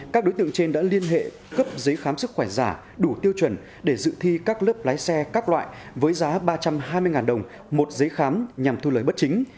các đối tượng trên đã liên hệ cấp giấy khám sức khỏe giả đủ tiêu chuẩn để dự thi các lớp lái xe các loại với giá ba trăm hai mươi đồng một giấy khám nhằm thu lời bất chính